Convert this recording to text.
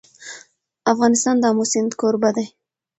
افغانستان د آمو سیند کوربه دی.